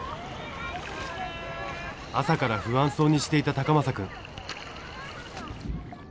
朝から不安そうにしていた崇真くん。